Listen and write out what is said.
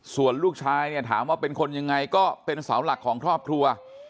ส่วนลูกชายเนี่ยถามว่าเป็นคนยังไงก็เป็นเสาหลักของครอบครัว